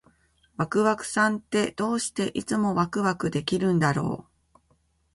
ワクワクさんって、どうしていつもワクワクできるんだろう？